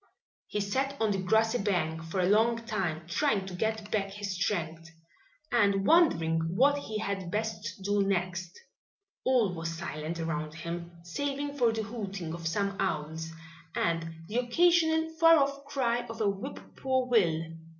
He sat on the grassy bank for a long time, trying to get back his strength and wondering what he had best do next. All was silent around him, saving for the hooting of some owls and the occasional far off cry of a whip poor will.